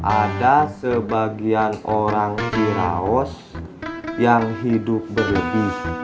ada sebagian orang kiraos yang hidup berlebih